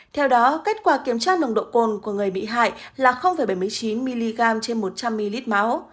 theo đó kết quả kiểm tra nồng độ cồn của người bị hại là bảy mươi chín mg trên một trăm linh ml máu